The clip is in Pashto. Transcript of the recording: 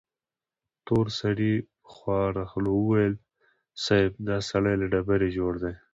تور سړي په خواره خوله وويل: صيب! دا سړی له ډبرې جوړ دی.